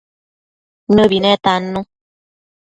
Nëbi netannu